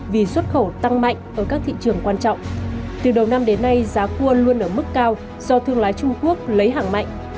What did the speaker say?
vì xuất khẩu tăng mạnh ở các thị trường quan trọng từ đầu năm đến nay giá cua luôn ở mức cao do thương lái trung quốc lấy hàng mạnh